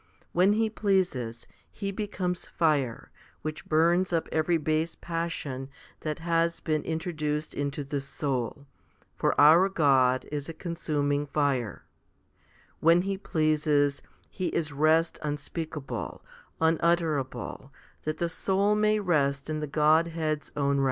When He pleases, he becomes fire, which burns up every base passion that has been in troduced into the soul ; for our God is a consuming fire* When He pleases, He is rest unspeakable, unutterable, that the soul may rest in the Godhead's own rest; when He 1 i Cor.